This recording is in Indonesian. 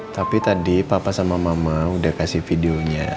tapi tadi papa sama mama udah kasih videonya